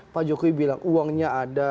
pak jokowi bilang uangnya ada